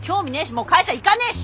もう会社行かねえし。